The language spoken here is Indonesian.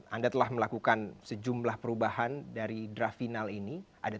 anda telah melakukan sejumlah perubahan dari draft final ini